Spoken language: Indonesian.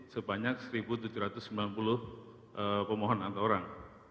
sebanyak satu tujuh ratus sembilan puluh pemohon atau orang